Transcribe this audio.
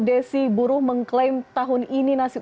desi buruh mengklaim tahun ini nasib